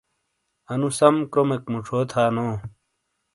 انو سم کرومیک موشو تھانوں